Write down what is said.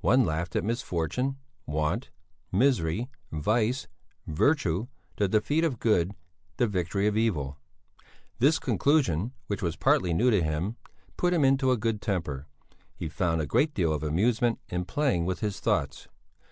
One laughed at misfortune, want, misery, vice, virtue, the defeat of good, the victory of evil. This conclusion, which was partly new to him, put him into a good temper; he found a great deal of amusement in playing with his thoughts.